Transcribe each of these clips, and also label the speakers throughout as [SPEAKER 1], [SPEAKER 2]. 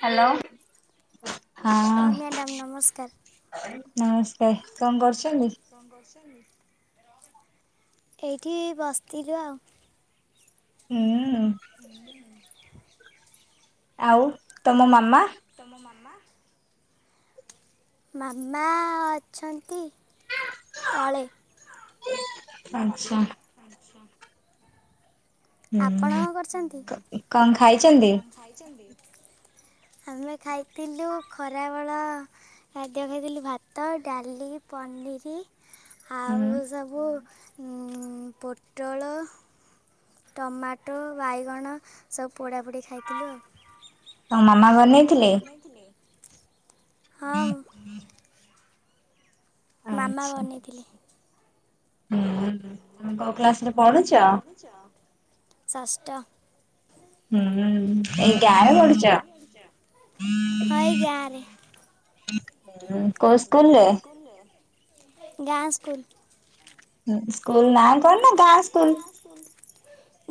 [SPEAKER 1] Hello ହଁ।
[SPEAKER 2] ହଁ madam ନମସ୍କାର।
[SPEAKER 1] ନମସ୍କାର କ କରୁଛନ୍ତି?
[SPEAKER 2] କ କରଛନ୍ତି? ଏଇଠି ବସ୍ତିଥିଲୁ ଆଉ।
[SPEAKER 1] ହୁଁ।
[SPEAKER 2] ହୁଁ।
[SPEAKER 1] ଆଉ
[SPEAKER 2] ଆଉ ତମ ମାମା? ମାମା ଅଛନ୍ତି ତଳେ।
[SPEAKER 1] ଆଚ୍ଛା।
[SPEAKER 2] ଆଚ୍ଛା। ଆପଣ କ କରୁଛନ୍ତି?
[SPEAKER 1] ଏ କ ଖାଇଛନ୍ତି?
[SPEAKER 2] ଖାଇଛନ୍ତି? ଆମେ ଖାଇଥିଲୁ ଖରାବେଳ ଖାଦ୍ୟ ଖାଇଥିଲି ଭାତ ଡାଲି ପନିରି ଆଉ ସବୁ ଉ ପୋଟଳ ଟମାଟୋ ବାଇଗଣ ସବୁ ପୋ଼ପୋଡ଼ି ଖାଇଥିଲୁ ଆଉ।
[SPEAKER 1] ତମ ମାମା ବନେଇଥିଲେ?
[SPEAKER 2] ହଁ। ମାମା ବନେଇଥିଲେ।
[SPEAKER 1] ହୁଁ ତମେ କୋଉ କ୍ଲାସ ରେ ପଢୁଛ?
[SPEAKER 2] ଚ ଷଷ୍ଟ
[SPEAKER 1] ହୁଁ ଉ ଏଇ ଗାଁ ରେ ପଢ଼ୁଛ? ହୁଁ କୋଉ ସ୍କୁଲରେ?
[SPEAKER 2] ଗାଁ ସ୍କୁଲୁ।
[SPEAKER 1] ହୁଁ ସ୍କୁଲ୍ ନାଁ କଣ ନା ଗାଁ ସ୍କୁଲ।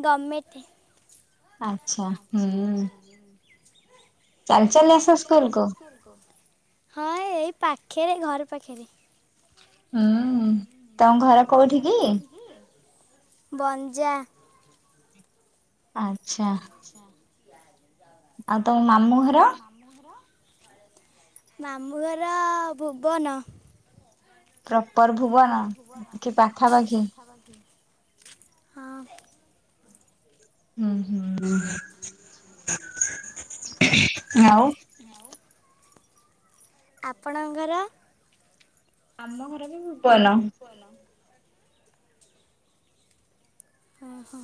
[SPEAKER 2] ଗମେଣ୍ଟେ।
[SPEAKER 1] ଆଁ
[SPEAKER 2] ଆଛା ହୁଁ ଉ ଚାଲି ଚାଲି ଆସ ସ୍କୁଲୁ କୁ? ହଁ ଏଇ ପାଖରେ ଘର ପାଖେରେ।
[SPEAKER 1] ହୁଁ ତମ ଘର କୋଉଠି କି?
[SPEAKER 2] ବଞ୍ଜା।
[SPEAKER 1] ଆଛା।
[SPEAKER 2] ଆଛା। ଆ। [inaudible]
[SPEAKER 1] ଆଉ ତମ ମାମୁଁ ଘର?
[SPEAKER 2] ମାମୁଁଘର ଭୁବନ।
[SPEAKER 1] ପ୍ରପର ଭୁବନ କି ପାଖାପାଖି?
[SPEAKER 2] ପାଖାପାଖି। ହଁ।
[SPEAKER 1] ହୁଁ।
[SPEAKER 2] ହୁଁ। [inaudible] ଆଉ ଆପଣଙ୍କ ଘର?
[SPEAKER 1] ଆମ ଘର ବି ଭୂ
[SPEAKER 2] ଭୁବନ। ଆଁ ହଁ।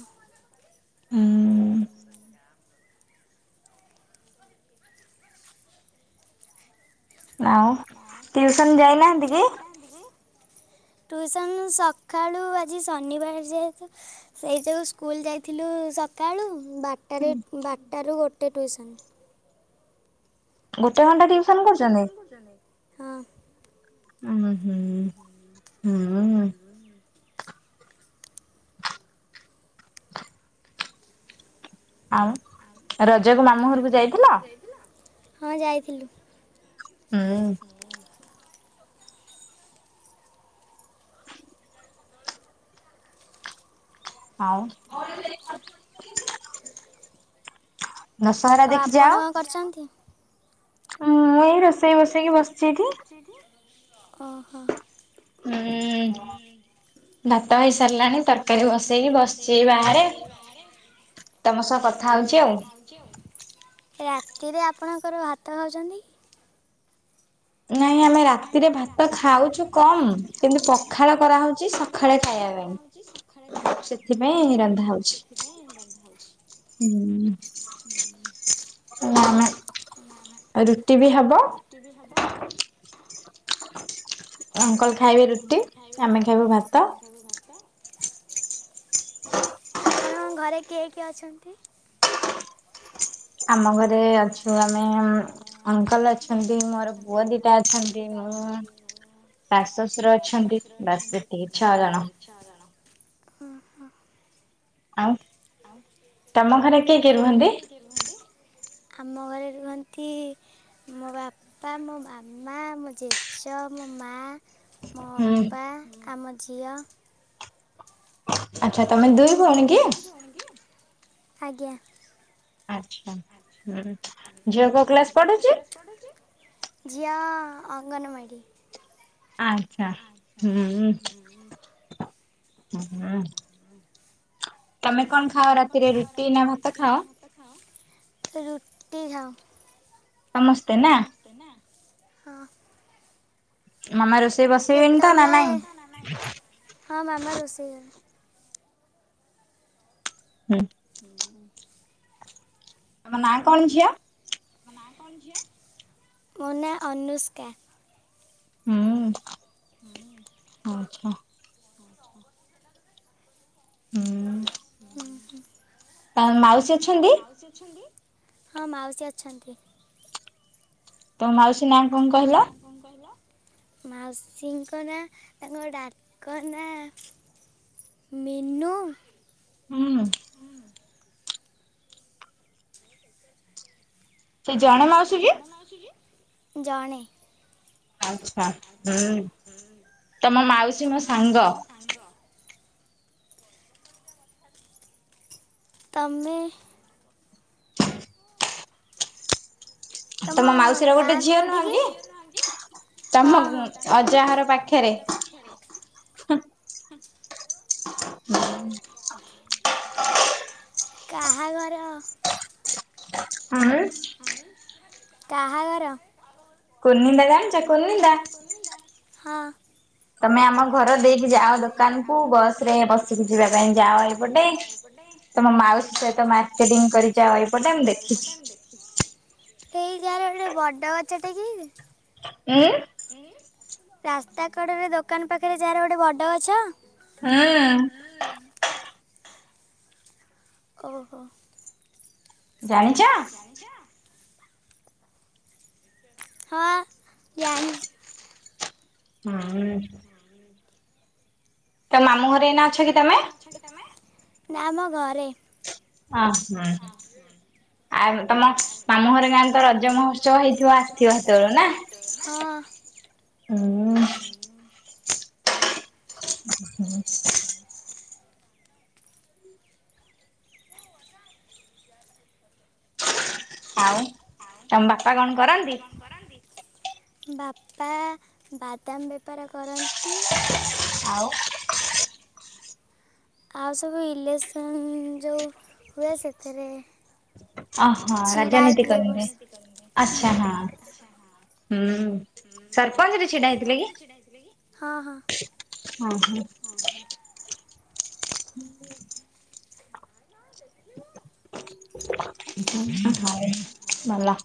[SPEAKER 2] ଆଉ ଟିଉସନ୍ ଯାଇନାହାନ୍ତି କି? ଟ୍ୟୁସନ୍ ସକାଳୁ ଆଜି ଶନିବାର ଯେହେତୁ ସେଇ ଯେଉଁ ସ୍କୁଲ ଯାଇଥିଲୁ ସକାଳୁ ବାରଟାରେ ବାରଟାରୁ ଗୋଟେ ଟ୍ୟୁସନ୍।
[SPEAKER 1] ଗୋଟେ ଘଣ୍ଟା ଟିଉସନ କରୁଛନ୍ତି?
[SPEAKER 2] କରୁଛନ୍ତି? ହଁ।
[SPEAKER 1] ଉଁ ହୁଁ। ହୁଁ ଆଉ ରଜକୁ ମାମୁଁ ଘରକୁ ଯାଇଥିଲ?
[SPEAKER 2] ହଁ ଯାଇଥିଲି।
[SPEAKER 1] ହୁଁ ଆଉ ଦଶହରା ଦେଖି ଯାଅ?
[SPEAKER 2] କରିଛନ୍ତି।
[SPEAKER 1] ମୁଁ ଏଇ ରୋଷେଇ ବସେଇକି ବସିଚି ଏଇଠି।
[SPEAKER 2] ଛନ୍ତି। ଓହୋ।
[SPEAKER 1] ହୁଁ ଭାତ ହେଇ ସାରିଲାଣି ତରକାରୀ ବସେଇକି ବସିଚି ଏଇ ବାହାରେ। ତମ ସହ କଥା ହଉଛି ଆଉ।
[SPEAKER 2] ରାତିରେ ଆପଣଙ୍କର ଭାତ ଖାଉଛନ୍ତି?
[SPEAKER 1] ନାଇଁ ଆମେ ରାତିରେ ଭାତ ଖାଉଛୁ କମ କିନ୍ତୁ ପଖାଳ କରାହଉଛି ସକାଳେ ଖାଇବା ପାଇଁ।
[SPEAKER 2] ହଁ ସେଥିପାଇଁ ରନ୍ଧା ହଉଛି।
[SPEAKER 1] ହୁଁ
[SPEAKER 2] ହୁଁ
[SPEAKER 1] ନା ନା ଆଉ ରୁଟି ବି ହବ। ଅଙ୍କଲ ଖାଇବବେ ରୁଟି ଆମେ ଖାଇବୁ ଭାତ।
[SPEAKER 2] ଭାତ। ଆପଣ ଘରେ କିଏ କିଏ ଅଛନ୍ତି?
[SPEAKER 1] ଆମ ଘରେ ଅଛୁ ଆମେ ଅଙ୍କଲ ଅଛନ୍ତି ମୋର ପୁଅ ଦିଟା ଅଛନ୍ତି ମୁଁ ଶାଶୁ ଶଶୁର ଅଛନ୍ତି ବାସ୍ ସେତିକି ଛଅ ଜଣ।
[SPEAKER 2] ଛଅ ଜଣ। ହୁଁ ହୁଁ।
[SPEAKER 1] ଆଉ ତମ ଘରେ କିଏ କିଏ ରୁହନ୍ତି?
[SPEAKER 2] ଆମ ଘରେ ରୁହନ୍ତି ମୋ ବାପା ମୋ ମାମା ମୋ ଜେଜ ମୋ ମା ମୋ ଅପା ଆମ ଝିଅ
[SPEAKER 1] ଆଚ୍ଛା ତମେ ଦୁଇ ଭଉଣୀ କି?
[SPEAKER 2] ଭଉଣୀ କି? ଆଜ୍ଞା।
[SPEAKER 1] ଆଚ୍ଛା, ହୁଁ ଝିଅ କୋଉ କ୍ଲାସ୍ ପଢୁଛି?
[SPEAKER 2] ଝିଅ ଅଙ୍ଗନବାଡ଼ି।
[SPEAKER 1] ଆଚ୍ଛା ହୁଁ ହୁଁ ତମେ କଣ ଖାଅ ରାତିରେ ରୁଟି ନା ଭାତ ଖାଅ।
[SPEAKER 2] ରୁଟି ଖାଏ।
[SPEAKER 1] ସମସ୍ତେ ନା।
[SPEAKER 2] ସ୍ତେ ନା ହଁ।
[SPEAKER 1] ମାମା ରୋଷ୍
[SPEAKER 2] ଯେତେବେଳେ ହଁ ମାମା ରୋଷେଇ ଘରେ।
[SPEAKER 1] ହୁଁ।
[SPEAKER 2] ହୁଁ।
[SPEAKER 1] ତମ ନାଁ କଣ ଝିଅ?
[SPEAKER 2] ତମ ନାଁ କଣ ଝିଅ ମୋ ନାଁ ଅନୁଷ୍କା।
[SPEAKER 1] ମୁଁ ହଉ ଆଛା।
[SPEAKER 2] [unintelligible]
[SPEAKER 1] ହୁଁ।
[SPEAKER 2] ହୁଁ ହୁଁ।
[SPEAKER 1] ତାର ମାଉସୀ ଅଛନ୍ତି?
[SPEAKER 2] ମାଉସୀ ଅଛନ୍ତି। ହଁ ମାଉସୀ ଅଛନ୍ତି।
[SPEAKER 1] ତମ ମାଉସୀ ନାଁ କଣ କହିଲ?
[SPEAKER 2] କଣ କହିଲ? ମାଉସୀଙ୍କ ନା ତାଙ୍କର ଡାକ ନାଁ ମିନୁ।
[SPEAKER 1] ହୁଁ। ସେ ଜଣେ ମା
[SPEAKER 2] ସେ ଜଣେ ମାଉସୀ କି? ଜଣେ।
[SPEAKER 1] ଆଛା ହୁଁ ତମ ମାଉସୀ ମୋ ସାଙ୍ଗ।
[SPEAKER 2] ସାଙ୍ଗ। ତମେ
[SPEAKER 1] [unintelligible]
[SPEAKER 2] ତମ ଗାଁ କୋଉଠି କି? ହଁ ହଁ ତମ ଅଜା ଘର ପାଖରେ ହୁଁ।
[SPEAKER 1] [unintelligible]
[SPEAKER 2] କାହା ଘର?
[SPEAKER 1] [unintelligible]
[SPEAKER 2] [inaudible] କାହାଘର?
[SPEAKER 1] କୁନ୍ହିମେଳା।
[SPEAKER 2] କୁନ୍ହିମେଳା ଯା କଇଲେଳି ଲା ହଁ।
[SPEAKER 1] ତମେ ଆମ ଘର ଦେଇକି ଯାଅ ଦୋକାନୁକୁ ବସ୍ ରେ ବସିକି ଯିବା ପାଇଁ ଯାଅ ଏଇପଟେ। ତମ ମାଉସି ସହିତ ମାର୍କେଟିଙ୍ଗ୍ କରି ଯାଅ ଏଇପଟେ ମୁଁ ଦେଖିଛି।
[SPEAKER 2] [inaudible] ଏଇ ଯାରେ ଗୋଟେ ବଡ଼ ଗଛ ଟେ କି
[SPEAKER 1] ଉଁ
[SPEAKER 2] ଉଁ ରାସ୍ତା କଡ଼ରେ ଦୋକାନ ପାଖରେ ଯାହାର ଗୋଟେ ବଡ଼ ଗଛ?
[SPEAKER 1] ହଅଁ।
[SPEAKER 2] ଓହୋ।
[SPEAKER 1] ଜାଣିଚି।
[SPEAKER 2] ଜାଣିଚ? ହଁ ଜାଣିଛୁ।
[SPEAKER 1] ହୁଁ ହୁଁ
[SPEAKER 2] [inaudible] ହୁଁ
[SPEAKER 1] ତ ମାମୁଁ ଘର୍
[SPEAKER 2] ତ ମାମୁଁ ଘରେ ଏଇନା ଅଛ କି ତମେ? ନାଁ ଆମ ଘରେ।
[SPEAKER 1] ହଁ ହୁଁ ଆଉ ତମ ମାମୁଁ ଘରେ ଗାଁରେ ତ ରଜ ମହୋତ୍ସବ ହେଇଥିବ ଆସିଥିବ ସେତେବେଳୁ ନାଁ।
[SPEAKER 2] ହଁ।
[SPEAKER 1] [inaudible] ହୁଁ ଆଉ ତମ୍ ବାପା କଣ କରନ୍ତି?
[SPEAKER 2] ବାପା ବାଦାମ୍ ବେପାର କରନ୍ତି।
[SPEAKER 1] ଆଉ?
[SPEAKER 2] ଆଉ ସବୁ ଇଲେସନ୍ ଯୋଉ ହୁଏ ସେଥେରେ।
[SPEAKER 1] ଅହ ରାଜନୀତି କରିନ୍ଦେ ଆଛା ହଁ। ହୁଁ ସର୍ପଞ୍ଚରେ ଛିଡ଼ାହେଇଥିଲେ କି? ହଁ ହଁ।
[SPEAKER 2] ହଁ ହଁ।
[SPEAKER 1] [inaudible] ହୁଁ
[SPEAKER 2] [inaudible] ଦେଖିବୁ।
[SPEAKER 1] [unintelligible] ମଲା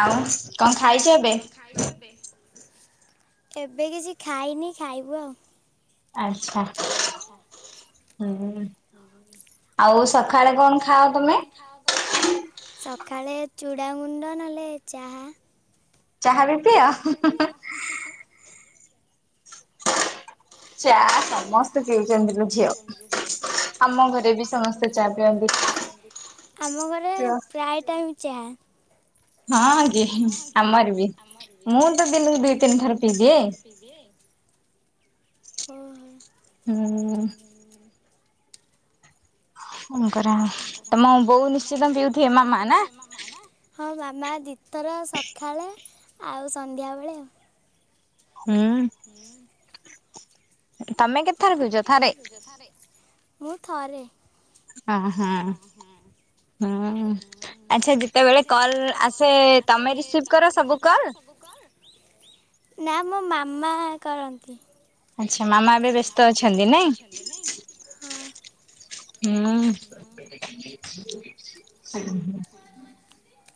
[SPEAKER 1] ଆଉଁ।
[SPEAKER 2] ଆଉଂ କଙ୍ଗ୍ ଖାଇଛ ଏବେ? ଏବେ କିଛି ଖାଇନି ଖାଇବୁ ଆଉ।
[SPEAKER 1] ଆର୍ଚ୍ଛା।
[SPEAKER 2] ଆଚ୍ଛା। [inaudible] ଆଉ ସଖାଳେ କଣ ଖାଅ ତମେ? ସଖାଳେ ଚୁଡ଼ାଗୁଣ୍ଡ ନହେଲେ ଚାହା।
[SPEAKER 1] ଚାହା ବି
[SPEAKER 2] ଚାହା ଵି ପିଅ ହୁଁ ହୁଁ ହୁଁ।
[SPEAKER 1] [unintelligible] ଚା
[SPEAKER 2] ଚା ସମସ୍ତେ ପିଉଚନ୍ତି ଲୋ ଝିଅ। ଆମ ଘରେ ବି ସମସ୍ତେ ଚା ପିଅନ୍ତି। ଆମ ଘରେ ପ୍ରାଏ ଟାଇମ୍ ଚାହା।
[SPEAKER 1] ହଁ କି ଆମର ବି ମୁଁ ତ ଦିନକୁ ଦିଇ ତିନି ଥର ପିଇଦିଏ।
[SPEAKER 2] ପିଇଦିଏ। ଓହୋ।
[SPEAKER 1] ହୁଁ। ହଁ ପରା ତମ ବୋଉ ନିଶ୍ଚିତ ପିଉଥିବେ ମା ମା ନା?
[SPEAKER 2] ମାମା ଦି ଥର ସଖାଳେ ଆଉ ସନ୍ଧ୍ୟାବେେଳେ ଆଉ।
[SPEAKER 1] ହୁଁ।
[SPEAKER 2] ମୁଁ ଥରେ।
[SPEAKER 1] ହ ହଁ ହୁଁ। ହୁଁ ଆଚ୍ଛା ଯେତେବେଳେ କଲ୍ ଆସେ ତମେ ରିସିଭ କର ସବୁ କଲ୍?
[SPEAKER 2] ନା ମୋ ମାମା କରନ୍ତି।
[SPEAKER 1] ଆଛା ମାମା
[SPEAKER 2] ଆଛା ମାମା ଏବେ ବ୍ୟସ୍ତ ଅଛନ୍ତି ନାଇଁ? ହଁ।
[SPEAKER 1] ହୁଁ।
[SPEAKER 2] [inaudible]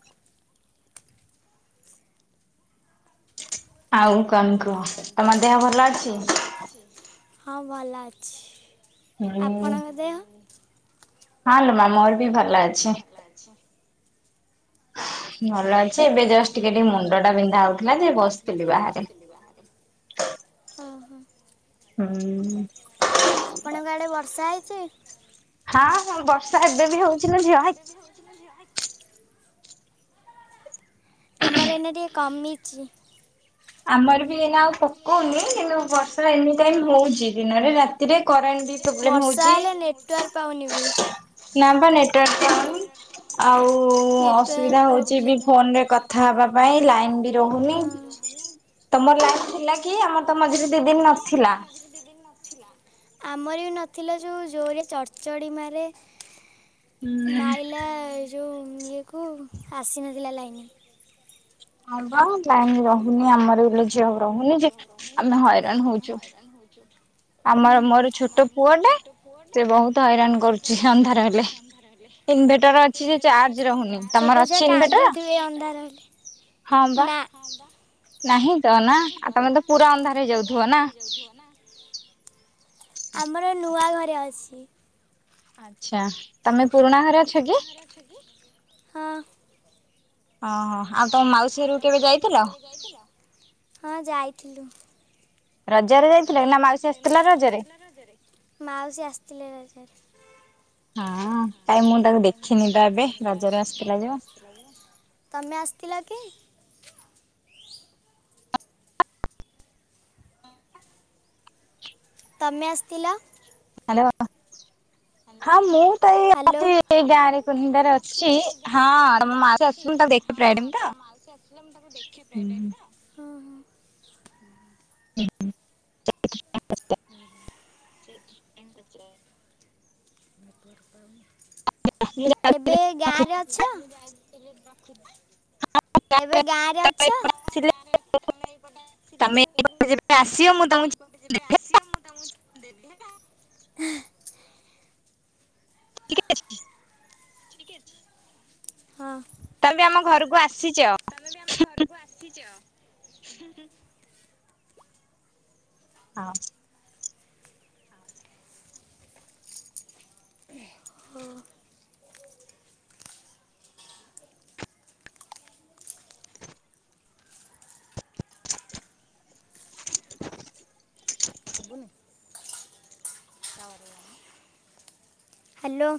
[SPEAKER 1] ଆଉ କଣ କୁହ ତମ ଦେହ ଭଲ ଅଛି?
[SPEAKER 2] ହଁ ଭଲ ଅଛି, ଆପଣଙ୍କ ଦେହ?
[SPEAKER 1] ହଁ ଲୋ ମା।
[SPEAKER 2] ହଁ ଲୋ ମା ମୋର ବି ଭଲ ଅଛି।
[SPEAKER 1] ଭଲ [unintelligible]
[SPEAKER 2] ଭଲ ଅଛି ଏବେ ଜଷ୍ଟ ଟିକେ ଟିକେ ମୁଣ୍ଡ ଟା ବିନ୍ଧା ହଉଥିଲା ଯେ ବସିଥିଲି ବାହାରେ। ଓ ହୋ।
[SPEAKER 1] ହୁଁ।
[SPEAKER 2] ଆପଣଙ୍କ ଆଡେ ବର୍ଷା ହେଇଚି?
[SPEAKER 1] ହଁ ହଁ ବର୍ଷା ଏବେ ବି ହଉ
[SPEAKER 2] ବର୍ଷା ଏବେ ବି ହଉଛି ଲୋ ଝିଅ ହେକ୍ ଆମର ଏଇନେ ଟିକେ କମିଚି।
[SPEAKER 1] ଆମର ବି ଏଇନା ଆଉ ପକଉନି କିନ୍ତୁ ବର୍ଷା ଏନି ଟାଇମ୍ ହଉଚି ଦିନରେ ରାତି ରାତିରେ କରେଣ୍ଟ ବି ପ୍ରୋବେଲମ୍ ହଉଚି ନା ବା ନେଟୱର୍କ ରହୁନି। ଆଉ ଅସୁବିଧା ହଉଚି ବି ଫୋନରେ କଥା ହବା ପାଇଁ ଲାଇନ୍ ବି ରହୁନି। ତମର ଲାଇନ ଥିଲା କି? ଆମର ତ ମଝିରେ ଦି ଦିନ ନଥିଲା।
[SPEAKER 2] ଆମର ବି ନଥିଲା ଯଉ ଜୋରେ ଚଡ଼ଚ଼ଡି ମାରେ ମାଇଲା ଯୋଉ ଇଏ କୁ ଆସିନଥିଲା ଲାଇନ୍।
[SPEAKER 1] ହଁ ବା ଲାଇନ ରହୁନି ଆମର ବ ଝିଅ ରହୁନି ଯେ ଆମେ ହଇରାଣ ହଉଚୁ।
[SPEAKER 2] [inaudible] ହୁଁ ଆମର ମୋର ଛୋଟ ପୁଅଟା ସେ ବହୁତ୍ ହଇରାଣ କରୁଚି ଅନ୍ଧାର ହେଲେ।
[SPEAKER 1] ଇନଭେଟର ଅଛି ଯେ ଚାର୍ଜ ରହୁନି ତମର ଅଛି ଇନଭେଟର? ହଁ ବା ନାହିଁ ତ ନା ଆଉ ତମେ ତ ପୁରା ଅନ୍ଧାର ହେଇ ଯାଉଥିବ ନା?
[SPEAKER 2] ଆମର ନୂଆ ଘରେ ଅଛି।
[SPEAKER 1] ଆଚ୍ଛା।
[SPEAKER 2] ଆଛା ତମେ ପୁରୁଣା ଘରେ ଅଛ କି? ହଁ।
[SPEAKER 1] ହଁ ହଁ।
[SPEAKER 2] ହଁ ହଁ ଆଉ ତମ ମାଉସୀ ଘରକୁ କେବେ ଯାଇଥିଲ? ହଁ ଯାଇଥିଲୁ।
[SPEAKER 1] ରଜରେ ଯାଇଥିଲେ ନା ମାଉସୀ ଆସିଥିଲା ରଜରେ?
[SPEAKER 2] ରଜରେ ମାଉସୀ ଆସତିଲେ ରଜରେ।
[SPEAKER 1] ହଁଅଁ କାଇ ମୁଁ ତାକୁ ଦେଖିନି ତ ଏବେ ରଜରେ ଆସିଥିଲା ଯୋଉ।
[SPEAKER 2] ତମେ ଆସତିଲ କି? ତମେ ଆସତିଲ।
[SPEAKER 1] ହାଲୋ। ହଁ ମୁଁ ତ ଏଇ ଅଛି ଏଇ ଗାଁରେ। କୁନି ତାର ଅଛି ହଁଅଁ ତମ ମାଉସୀ ଅଛନ୍ତି ତ ଦେ
[SPEAKER 2] ହଁଅଁ ତମ ମାଉସୀ ଆସଥିଲେ ମୁଁ ତାଙ୍କୁ ଦେଖେ ପ୍ରାଏ ଟାଇମ୍ ନା। ହଁ ହଁ
[SPEAKER 1] [unintelligible]
[SPEAKER 2] [inaudible] ଏବେ ଗାଁ ରେ ଅଛ। ଏବେ ଗାଁ ରେ ଅଛ। ହଁ ହଁ ଗାଁ ରେ ଅଛି। ତମେ
[SPEAKER 1] ତମେ ଏପଟେ ଯେବେ ଆସିବ ମୁ ତମୁକୁ [unintelligible]
[SPEAKER 2] ଯେବେ ଆସିବ ମୁଁ ତମୁକୁ ଚିନ୍ ଦେବି ହେଲା।
[SPEAKER 1] ଠିକେ ଅ [unintelligible]
[SPEAKER 2] ଠିକ୍ ଅଛି। ହଁଅଁ।
[SPEAKER 1] ତମେ ବି ଆମ ଘରୁକୁ ଆସିଚ।
[SPEAKER 2] ତମେ ବି ଆମ ଘରୁକୁ ଆସିଚ। ହୁଁ ହୁଁ
[SPEAKER 1] ହଅ।
[SPEAKER 2] ହଁଅଁ। ଶୁଭୁନି। [unintelligible] ହାଲୋ